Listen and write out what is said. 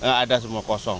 nggak ada semua kosong